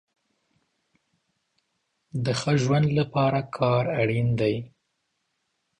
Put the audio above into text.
د ښه ژوند د پاره کار اړين دی